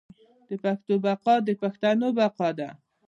د پښتو بقا د پښتنو بقا ده.